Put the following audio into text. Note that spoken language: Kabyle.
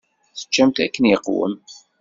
Teččamt akken iqwem?